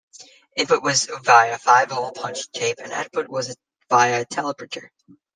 Input was via five-hole punched tape and output was via a teleprinter.